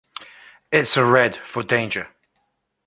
It’s a red for danger.